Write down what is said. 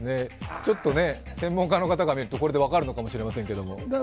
ちょっと専門家の方がみると分かるのかもしれませんけれども。